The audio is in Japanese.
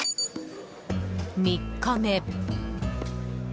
３日目。